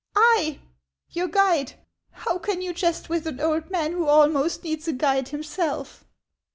" I ! your guide ! How can you jest with an old man who' almost needs a guide himself?